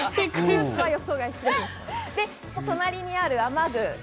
その隣にある雨具。